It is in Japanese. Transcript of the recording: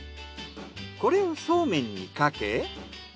これをそうめんにかけ。